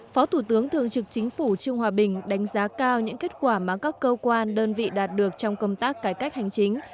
phó thủ tướng thường trực chính phủ trương hòa bình đánh giá cao những kết quả mà các cơ quan đơn vị đạt được trong công tác cải cách hành chính